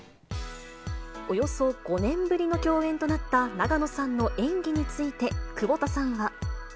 およそ５年ぶりの共演となった永野さんの演技について、窪田さん